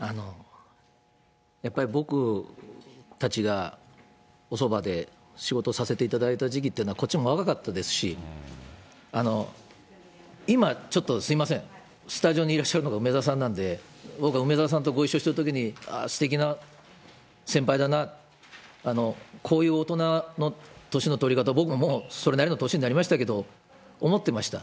やっぱり僕たちがおそばで仕事させていただいた時期っていうのは、こっちも若かったですし、今ちょっとすみません、スタジオにいらっしゃるのが梅沢さんなんで、僕は梅沢さんとご一緒してるときに、すてきな先輩だな、こういう大人の年の取り方、僕もそれなりの年になりましたけど、思ってました。